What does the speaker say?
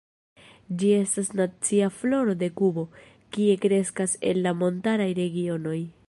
Ĝi estas nacia floro de Kubo, kie kreskas en la montaraj regionoj.